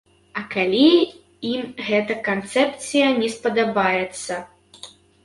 А калі ім гэтая канцэпцыя не спадабаецца?